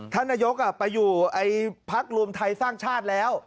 ท่านนายกอ่ะไปอยู่ไอพรรครุมไทยสร้างชาติแล้ว